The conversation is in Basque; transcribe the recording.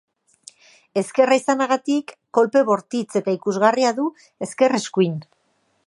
Ezkerra izanagatik, kolpe bortitz eta ikusgarria du ezker-eskuin.